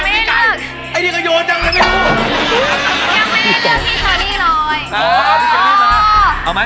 ยังไม่ได้เลือกชื่อพี่เชอรี่น้อย